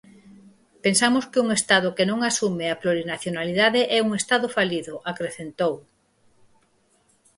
Pensamos que un estado que non asume a plurinacionalidade é un estado falido, acrecentou.